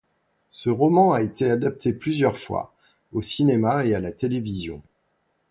Ce roman a été adapté plusieurs fois, au cinéma et à la télévision.